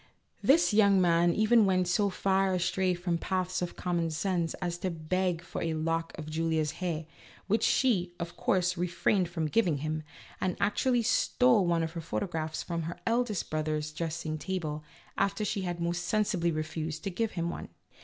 This young man even went so far astray from paths of common sense as to beg for a lock of Julia's hair, which she, of course, refrained from giv ing him, and actually stole one of her photographs from her eldest brother's dressing table, after she had most sensibly refused to give him one.